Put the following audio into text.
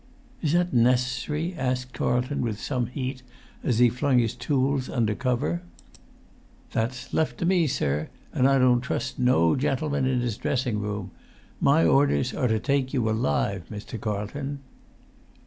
"Is that necessary?" asked Carlton with some heat, as he flung his tools under cover. "That's left to me, sir, and I don't trust no gentleman in his dressing room. My orders are to take you alive, Mr. Carlton."